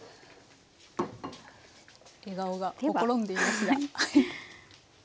笑顔がほころんでいますが。